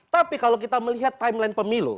tapi kalau kita melihat timeline pemilu